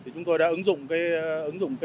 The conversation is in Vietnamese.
chúng tôi đã ứng dụng